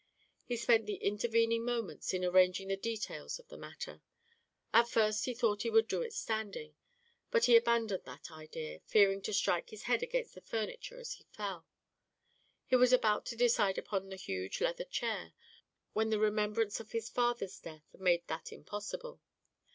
He spent the intervening moments in arranging the details of the matter. At first he thought he would do it standing, but he abandoned that idea, fearing to strike his head against the furniture as he fell. He was about to decide upon the huge leather chair, when the remembrance of his father's death made that impossible.